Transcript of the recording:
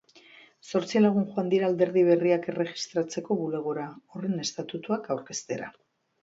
Zortzi lagun joan dira alderdi berriak erregistratzeko bulegora, horren estatutuak aurkeztera.